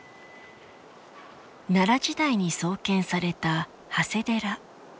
奈良時代に創建された長谷寺。